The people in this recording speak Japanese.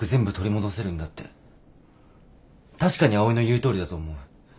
確かに葵の言うとおりだと思う。